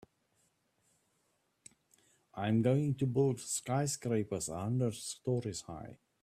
I'm going to build skyscrapers a hundred stories high.